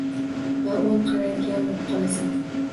Va o‘n qaraydigan bo‘pqolasan.